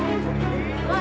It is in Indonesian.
ayo kita mulai berjalan